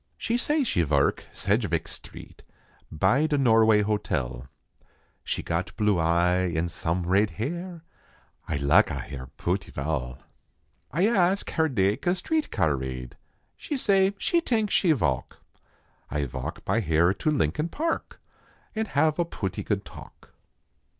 She say she verk Saidgeveck street By da Norway hotel ; She got blue eye en some rade hair Ay laka hare pooty val. A} ask hare dake a street car rade. She say she tank she voke ; Ay voke by hare to Lincoln Park En have a pooty good talk.